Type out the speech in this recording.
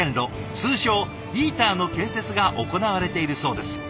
通称「イーター」の建設が行われているそうです。